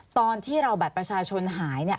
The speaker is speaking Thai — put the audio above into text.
ตอนที่เราบัตรประชาชนหาย